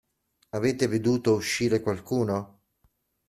Avete veduto uscire qualcuno?